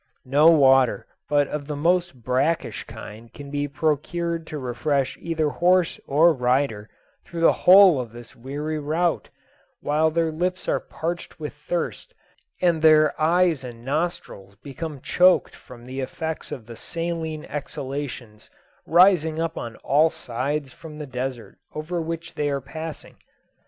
No water but of the most brackish kind can be procured to refresh either horse or rider through the whole of this weary route, while their lips are parched with thirst, and their eyes and nostrils become choked from the effects of the saline exhalations rising up on all sides from the desert over which they are passing.